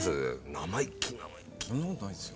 そんなことないですよ。